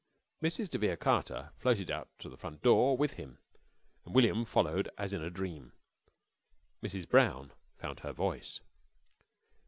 Mrs. de Vere Carter floated out to the front door with him, and William followed as in a dream. Mrs. Brown found her voice.